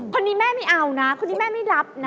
คนนี้แม่ไม่เอานะคนนี้แม่ไม่รับนะ